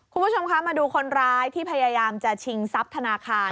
คุณผู้ชมคะมาดูคนร้ายที่พยายามจะชิงทรัพย์ธนาคาร